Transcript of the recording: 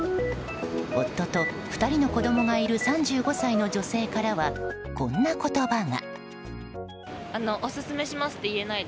夫と２人の子供がいる３５歳の女性からはこんな言葉が。